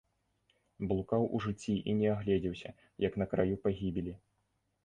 Блукаў у жыцці і не агледзеўся, як на краю пагібелі!